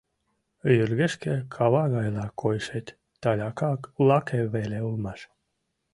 Йыргешке кава гайла койшет таляка лаке веле улмаш.